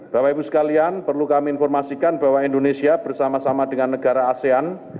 bapak ibu sekalian perlu kami informasikan bahwa indonesia bersama sama dengan negara asean